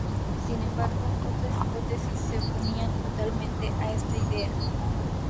Sin embargo, otras hipótesis se oponían totalmente a esta idea.